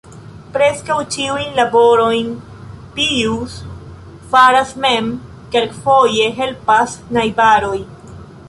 Preskaŭ ĉiujn laborojn Pijus faras mem, kelkfoje helpas najbaroj.